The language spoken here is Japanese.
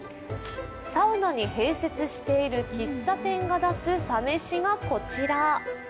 サウナに併設している喫茶店が出すサ飯がこちら。